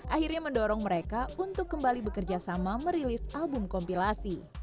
akhirnya mendorong mereka untuk kembali bekerja sama merilis album kompilasi